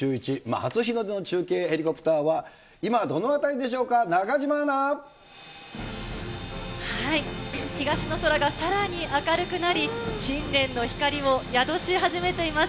初日の出の中継、ヘリコプターは今、東の空がさらに明るくなり、新年の光を宿し始めています。